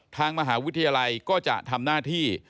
ทางมหาวิทยาลัยก็จะทำหน้าที่